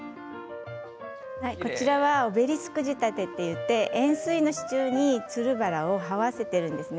こちらはオベリスク仕立てといって円すいの支柱につるバラをはわせているんですね。